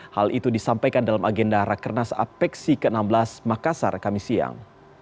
hal itu disampaikan dalam agenda rakernas apeksi ke enam belas makassar kami siang